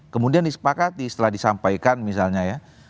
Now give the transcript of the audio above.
kemudian disepakati setelah disampaikan misalnya ya